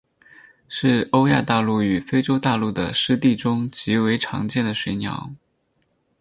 是欧亚大陆与非洲大陆的湿地中极为常见的水鸟。